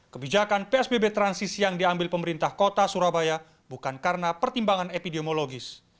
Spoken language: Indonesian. kebijakan psbb transisi yang diambil pemerintah kota surabaya bukan karena pertimbangan epidemiologis